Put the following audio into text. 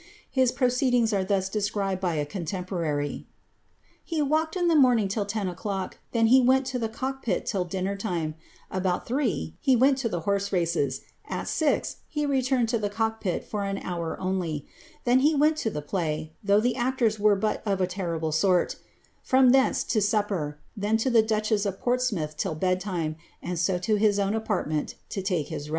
His proceedings are thus described by a con tempo fary: — ^*He walked in the morning till ten o'clock; then he went to the cock pit till dinner time ; about three, he went to the horse races ; at ■iz, he returned to the cock pit for an hour only ; then he went to the play, though the actors were but of a terrible sort; from tlience to sup per; then to tlie duchess of Portsmouth's till bed time ; and so to his own apartment to take his rest."